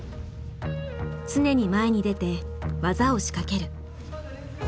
常に前に出て技を仕掛ける。